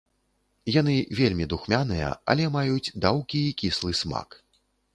Яны вельмі духмяныя, але маюць даўкі і кіслы смак.